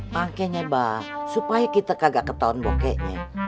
makanya bah supaya kita kagak ketauan bokehnya